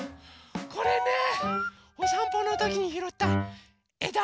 これねおさんぽのときにひろったえだ。